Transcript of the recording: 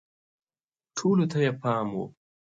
ټولو ته یې پام و